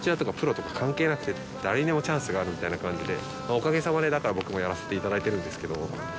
おかげさまでだから僕もやらせていただいてるんですけど。